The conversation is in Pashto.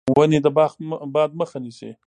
ونې د باد مخه نیسي.